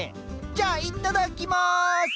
じゃあいただきます！